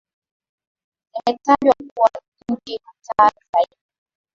zimetajwa kuwa nchi hatari zaidi